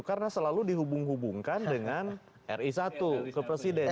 karena selalu dihubung hubungkan dengan ri satu ke presiden